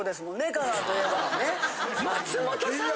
香川といえば。